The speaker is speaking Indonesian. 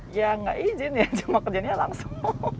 ya nggak izin ya cuma kerjanya langsung